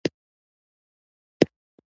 په ځينو برخو کې اندېښنه رامنځته کولای شي.